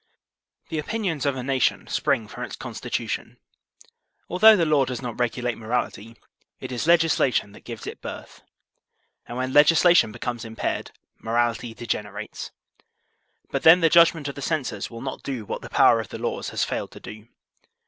The opinions of a nation spring from its constitution. Although the law does not regulate morality, it is legis lation that gives it birth, and when legislation becomes impaired, morality degenerates; but then the judgment of the censors will not do what the power of the laws has failed to do.